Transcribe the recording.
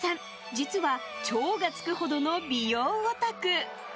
実は超がつくほどの美容オタク。